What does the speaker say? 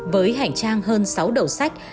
với hành trang hơn sáu đầu sách